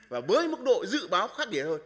và với mức độ dự báo khác địa thôi